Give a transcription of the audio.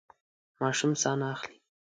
ماشوم ساه نه اخلي.